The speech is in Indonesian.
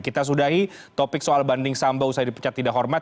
kita sudahi topik soal banding samba usai dipecat tidak hormat